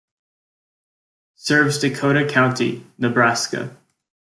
Serves Dakota County, Nebraska.